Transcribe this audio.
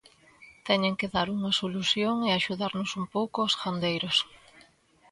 Teñen que dar unha solución e axudarnos un pouco aos gandeiros.